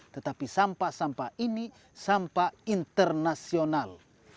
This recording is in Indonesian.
tetapi sampah sampah ini sampah internasional